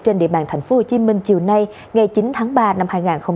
trên địa bàn tp hcm chiều nay ngày chín tháng ba năm hai nghìn hai mươi